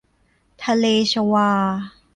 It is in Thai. ทะเลชวา